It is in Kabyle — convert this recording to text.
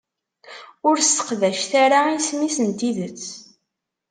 Ur seqdacet ara isem-is n tidet.